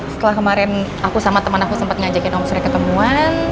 setelah kemarin aku sama temen aku sempat ngajakin om surya ketemuan